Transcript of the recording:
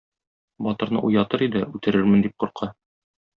Батырны уятыр иде, үтерермен дип курка.